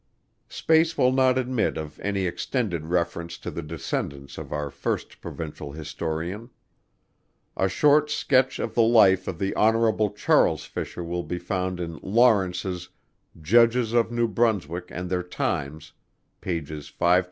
Space will not admit of any extended reference to the descendants of our first provincial historian. A short sketch of the life of the Hon. Charles Fisher will be found in Lawrence's "Judges of New Brunswick and their Times," pages 528 532.